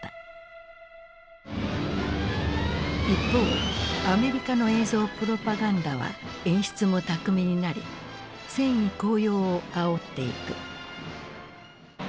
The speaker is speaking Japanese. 一方アメリカの映像プロパガンダは演出も巧みになり戦意高揚をあおっていく。